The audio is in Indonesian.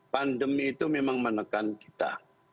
pandemi itu memang menekan kita